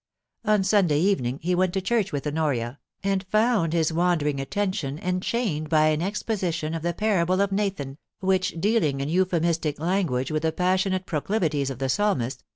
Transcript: On Sunday evening he went to church with Honoria, and found his wandering attention enchained by an exposition of the parable of Nathan, which, dealing in euphemistic language with the passionate proclivities of the Psalmist, 224 POLICY AND PASSION.